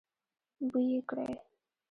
بوی يې کړی.